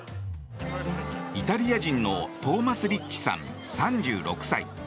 イタリア人のトーマス・リッチさん、３６歳。